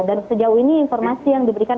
dan sejauh ini informasi yang diberikan